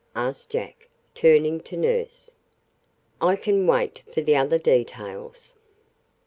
asked Jack, turning to the nurse. "I can wait for the other details."